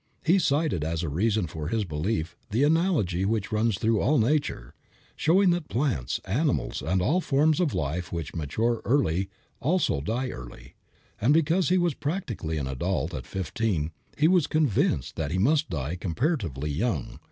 He cited as a reason for his belief the analogy which runs through all nature, showing that plants, animals and all forms of life which mature early also die early, and because he was practically an adult at fifteen he was convinced that he must die comparatively young.